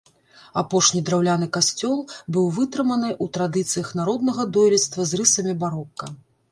Апошні драўляны касцёл быў вытрыманы ў традыцыях народнага дойлідства з рысамі барока.